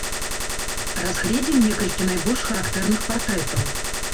Разгледзім некалькі найбольш характэрных партрэтаў.